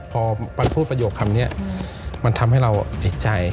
พอมันพูดประโยคคำนี้มันทำให้เราติดใจ